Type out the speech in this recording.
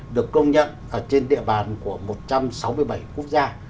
được công nhận ở trên địa bàn của một trăm sáu mươi bảy quốc gia